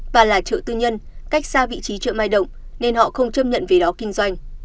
và là chợ tư nhân cách xa vị trí chợ mai động nên họ không chấp nhận vì đó kinh doanh